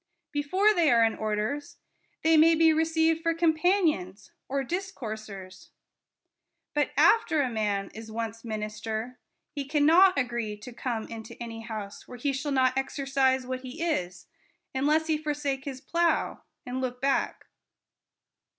Before they are in orders, they may be received for companions, or discoursers ; but after a man is once minister, he cannot agree to come into any house where he shall not exercise what he is, unless he forsake his plough and look back.